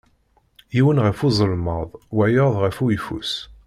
Yiwen ɣef uẓelmaḍ wayeḍ ɣef uyeffus.